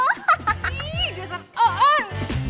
ih dia kan on